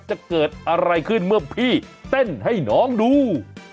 จะเกิดอะไรขึ้นเมื่อพี่เต้นให้น้องดู